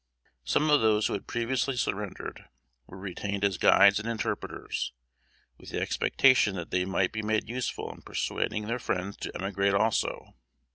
Some of those who had previously surrendered, were retained as guides and interpreters, with the expectation that they might be made useful in persuading their friends to emigrate also.